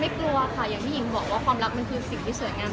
กลัวค่ะอย่างที่หญิงบอกว่าความรักมันคือสิ่งที่สวยงาม